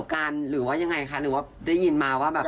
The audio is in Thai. กันหรือว่ายังไงคะหรือว่าได้ยินมาว่าแบบ